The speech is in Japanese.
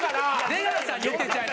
出川さんに言ってんちゃう。